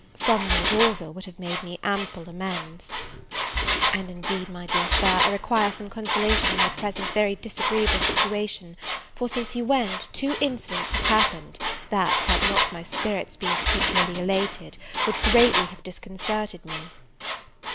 from Lord Orville, would have made me ample amends. And indeed, my dear Sir, I require some consolation in my present very disagreeable situation; for, since he went, two incidents have happened, that, had not my spirits been particularly elated, would greatly have disconcerted me.